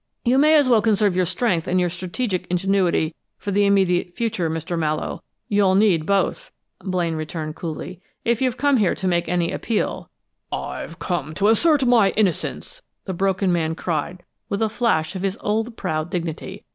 "You may as well conserve your strength and your strategic ingenuity for the immediate future, Mr. Mallowe. You'll need both," Blaine returned, coolly. "If you've come here to make any appeal " "I've come to assert my innocence!" the broken man cried with a flash of his old proud dignity.